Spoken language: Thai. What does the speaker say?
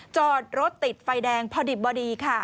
จอดรถติดไฟแดงพอดิบดี